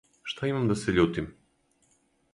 Шта имам да се љутим?